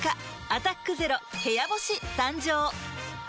「アタックＺＥＲＯ部屋干し」誕生！